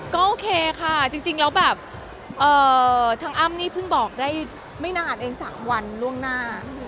ก็โอเคค่ะจริงแล้วแบบทางอ้ำนี่เพิ่งบอกได้ไม่นานเอง๓วันล่วงหน้า